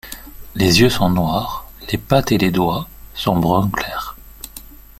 Les yeux sont noirs, les pattes et les doigts sont brun clair.